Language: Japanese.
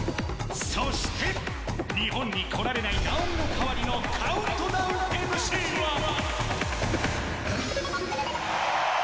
そして、日本に来られない直美の代わりのカウントダウンＭＣは。